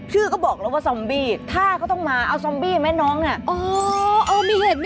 นึกว่าจบเพลงไปแล้วไม่เข้าเนื้อสักทีน้องก็ในเต้น